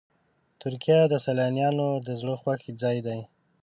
ترکیه د سیلانیانو د زړه خوښ ځای دی.